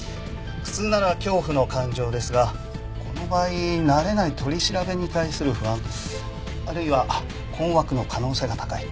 普通なら恐怖の感情ですがこの場合慣れない取り調べに対する不安あるいは困惑の可能性が高い。